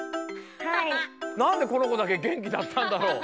なんでこのこだけげんきだったんだろう？